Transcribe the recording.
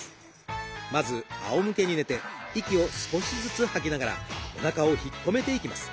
まず仰向けに寝て息を少しずつ吐きながらおなかを引っ込めていきます。